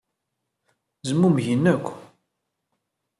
Zmumgen akk.